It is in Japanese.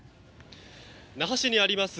那覇市にあります